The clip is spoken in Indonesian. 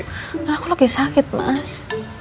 karena aku lagi sakit mas